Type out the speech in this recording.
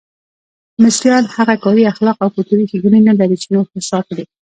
مصریان هغه کاري اخلاق او کلتوري ښېګڼې نه لري چې نور هوسا کړي.